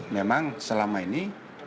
memang selama ini